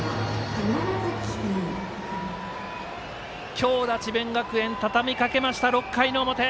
強打、智弁学園たたみかけました６回の表。